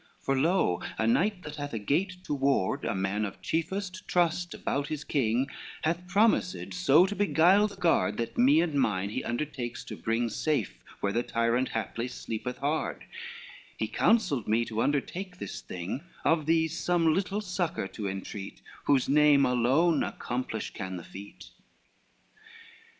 LXIV "For lo a knight, that had a gate to ward, A man of chiefest trust about his king, Hath promised so to beguile the guard That me and mine he undertakes to bring Safe, where the tyrant haply sleepeth hard He counselled me to undertake this thing, Of these some little succor to intreat, Whose name alone accomplish can the feat."